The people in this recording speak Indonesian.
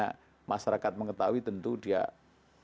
akhirnya masyarakat mengetahui tentu dia akan